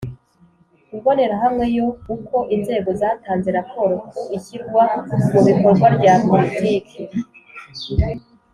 Imbonerahamwe yo Uko inzego zatanze raporo ku ishyirwa mu bikorwa rya Politiki